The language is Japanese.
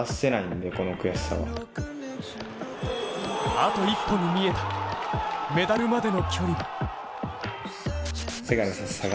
あと一歩に見えた、メダルまでの距離は。